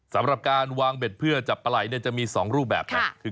สำหรับการวางเบ็ดเพื่อจับปลาไหล่จะมี๒รูปแบบนะ